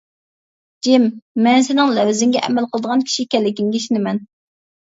جىم، مەن سېنىڭ لەۋزىڭگە ئەمەل قىلىدىغان كىشى ئىكەنلىكىڭگە ئىشىنىمەن.